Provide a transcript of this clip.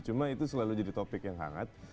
cuma itu selalu jadi topik yang hangat